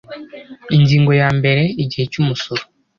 ingingo ya mbere igihe cy umusoro